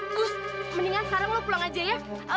gus mendingan sekarang lo pulang aja ya